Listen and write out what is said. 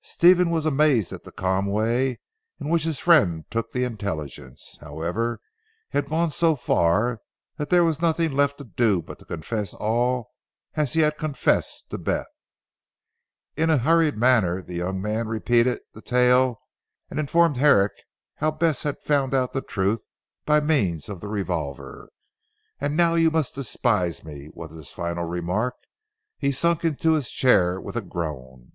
Stephen was amazed at the calm way in which his friend took the intelligence. However he had gone so far that there was nothing left to do but to confess all as he had confessed to Bess. In a hurried manner the young man repeated the tale, and informed Herrick how Bess had found out the truth by means of the revolver. "And now you must despise me" was his final remark. He sunk into his chair with a groan.